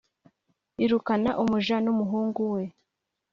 irukana umuja n umuhungu we